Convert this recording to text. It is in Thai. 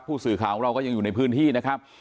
ผู้สื่อข่าวของเราก็ยังอยู่ในพื้นที่นะครับ